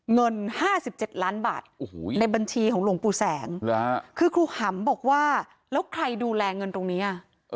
เงิน๕๗ล้านบาทในบัญชีของหลวงปู่แสงคือครูหำบอกว่าแล้วใครดูแลเงินตรงนี้